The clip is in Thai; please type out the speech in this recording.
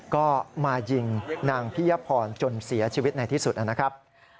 ก็มายิงนางพิยพรจนเสียชีวิตในที่สุดนะครับ